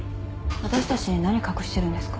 わたしたちに何隠してるんですか？